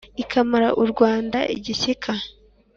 Ikamara u Rwanda igishyika.